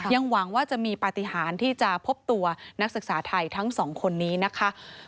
หวังว่าจะมีปฏิหารที่จะพบตัวนักศึกษาไทยทั้งสองคนนี้นะคะ